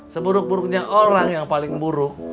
seburuk buruknya orang yang paling buruk